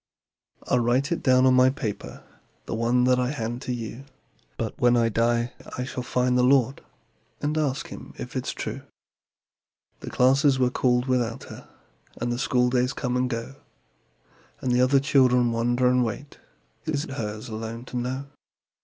"I'll write it down on my paper, (The one that I hand to you) But when I die I shall find the Lord, And ask Him if it's true." The classes were called without her, And the schooldays come and go, And other children wonder and wait It is hers alone to know.